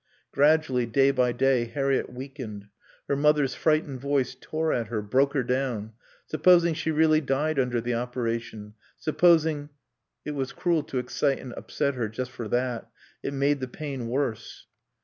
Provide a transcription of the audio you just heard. Gradually, day by day, Harriett weakened. Her mother's frightened voice tore at her, broke her down. Supposing she really died under the operation? Supposing It was cruel to excite and upset her just for that; it made the pain worse.